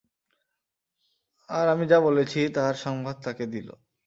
আর আমি যা বলেছি তার সংবাদ তাঁকে দিল।